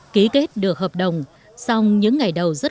ký kết được hợp đồng